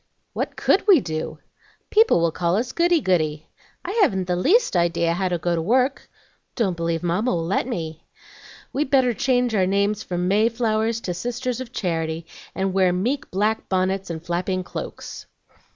"What COULD we do?" "People will call us goody goody." "I haven't the least idea how to go to work." "Don't believe Mamma will let me." "We'd better change our names from May Flowers to sisters of charity, and wear meek black bonnets and flapping cloaks."